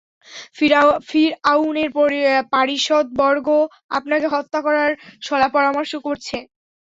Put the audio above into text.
ফিরআউনের পারিষদবর্গ আপনাকে হত্যা করার সলাপরামর্শ করছে।